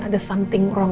ada sesuatu yang salah